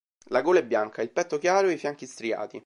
La gola è bianca, il petto chiaro e i fianchi striati.